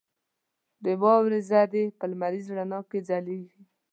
• د واورې ذرې په لمریز رڼا کې ځلېږي.